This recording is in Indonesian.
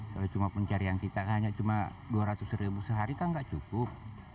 kalau cuma pencarian kita hanya cuma dua ratus ribu sehari kan nggak cukup